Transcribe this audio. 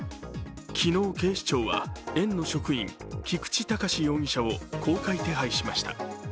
昨日、警視庁は園の職員、菊池隆容疑者を公開手配しました。